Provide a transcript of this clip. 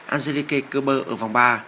angelique cooper ở vòng ba